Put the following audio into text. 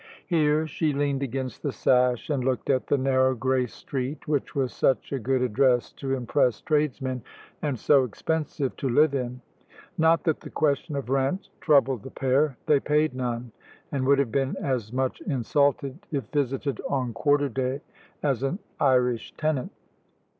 Here she leaned against the sash and looked at the narrow grey street which was such a good address to impress tradesmen, and so expensive to live in. Not that the question of rent troubled the pair. They paid none, and would have been as much insulted, if visited on quarter day, as an Irish tenant.